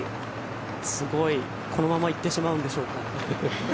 すごい、このままいってしまうんでしょうか。